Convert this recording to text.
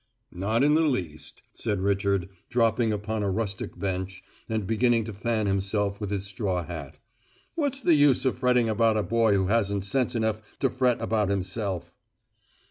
"Not in the least," said Richard, dropping upon a rustic bench, and beginning to fan himself with his straw hat. "What's the use of fretting about a boy who hasn't sense enough to fret about himself?"